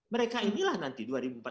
mereka inilah nanti dua ribu empat puluh lima